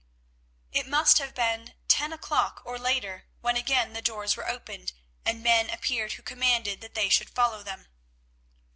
It must have been ten o'clock or later when again the doors were opened, and men appeared who commanded that they should follow them.